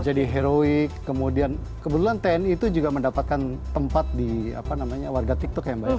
jadi heroik kemudian kebetulan tni itu juga mendapatkan tempat di apa namanya warga tiktok ya mbak